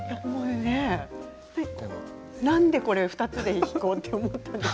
なんで２つで弾こうと思ったんですか？